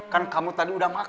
kan kamu tadi udah makan